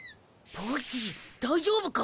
ボッジ大丈夫か？